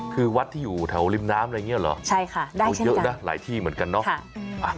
คือวัดที่อยู่แถวริมน้ำอะไรอย่างนี้เหรอใช่ค่ะได้เยอะนะหลายที่เหมือนกันเนาะ